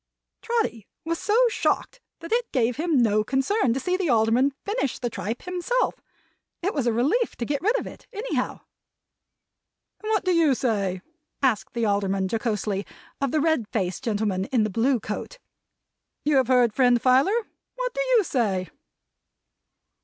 Trotty was so shocked that it gave him no concern to see the Alderman finish the tripe himself. It was a relief to get rid of it, anyhow. "And what do you say?" asked the Alderman, jocosely, of the red faced gentleman in the blue coat. "You have heard friend Filer. What do you say?"